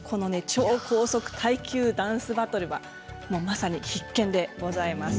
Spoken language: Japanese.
超高速耐久ダンスバトルはまさに必見です。